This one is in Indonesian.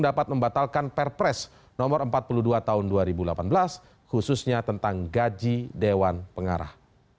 dapat membatalkan perpres no empat puluh dua tahun dua ribu delapan belas khususnya tentang gaji dewan pengarah